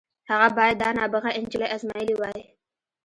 هغه بايد دا نابغه نجلۍ ازمايلې وای.